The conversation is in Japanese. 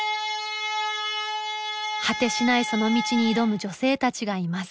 果てしないその道に挑む女性たちがいます。